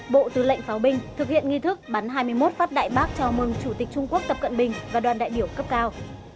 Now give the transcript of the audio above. bộ tư lệnh pháo binh thực hiện nghi thức bắn hai mươi một phát đại bác chào mừng chủ tịch trung quốc tập cận bình và đoàn đại biểu cấp cao